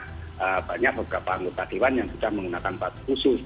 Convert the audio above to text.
ada banyak beberapa bupatiwan yang sudah menggunakan plat khusus